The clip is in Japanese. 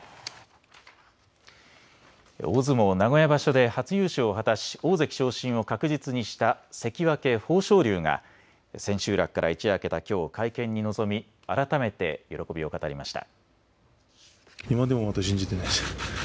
大相撲名古屋場所で初優勝を果たし大関昇進を確実にした関脇・豊昇龍が千秋楽から一夜明けたきょう会見に臨み改めて喜びを語りました。